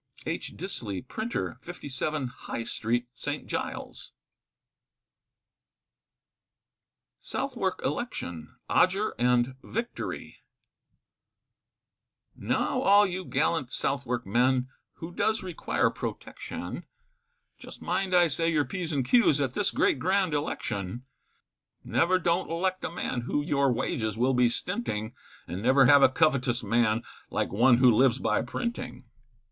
H. Disley, Printer, 57, High Street, St. Giles. SOUTHWARK ELECTION. ODGER AND VICTORY. Now all you gallant Southwark men, Who does require protection, Just mind I say, your p's and q's At this Great Grand Election; Never don't elect a man Who your wages will be stinting, And never have a covetuous man Like one who lives by printing.